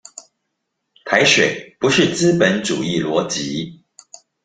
台水不是資本主義邏輯